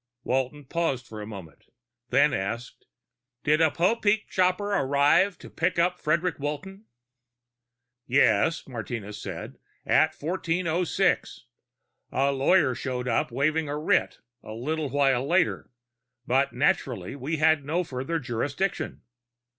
Walton paused for a moment, then asked, "Did a Popeek copter arrive to pick up Frederic Walton?" "Yes," Martinez said. "At 1406. A lawyer showed up here waving a writ, a little while later, but naturally we had no further jurisdiction."